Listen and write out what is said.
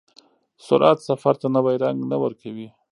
سرعت سفر ته نوی رنګ نه ورکوي.